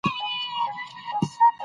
د قانون تطبیق جديت غواړي